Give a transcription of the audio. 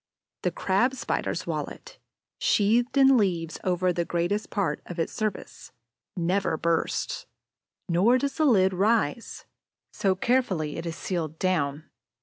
The Crab spider's wallet, sheathed in leaves over the greater part of its surface, never bursts; nor does the lid rise, so carefully is it sealed down.